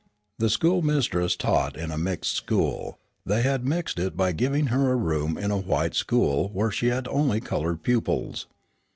The schoolmistress taught in a mixed school. They had mixed it by giving her a room in a white school where she had only colored pupils.